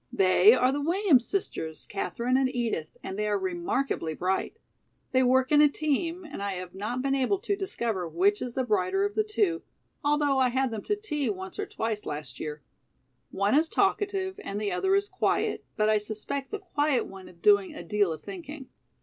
They are the Williams sisters, Katherine and Edith, and they are remarkably bright. They work in a team, and I have not been able to discover which is the brighter of the two, although I had them to tea once or twice last year. One is talkative and the other is quiet, but I suspect the quiet one of doing a deal of thinking."